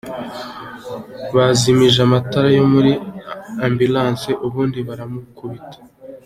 Bazimije amatara yo muri ambulance ubundi baramukubita.